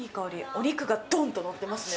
お肉が、どんっ！とのってますね。